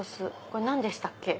これ何でしたっけ？